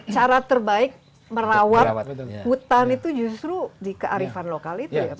cara terbaik merawat hutan itu justru di kearifan lokal itu ya pak